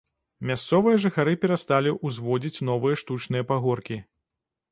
Мясцовыя жыхары перасталі ўзводзіць новыя штучныя пагоркі.